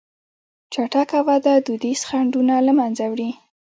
چټکه وده دودیز خنډونه له منځه وړي.